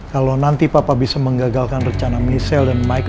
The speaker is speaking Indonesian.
kalau nanti papa bisa menggagalkan rencana michelle dan mike